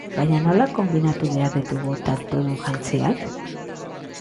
Baina nola konbinatu behar ditugu tantodun jantziak?